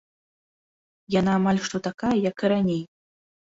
Яна амаль што такая, як і раней.